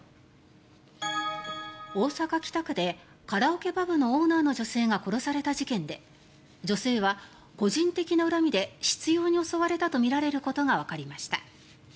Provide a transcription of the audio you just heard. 大阪・北区でカラオケパブのオーナーの女性が殺された事件で女性は個人的な恨みで執ように襲われたとみられることがわかりました。